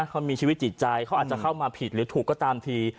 เขามีชีวิตจิตใจเขาอาจจะเข้ามาผิดหรือถูกก็ตามที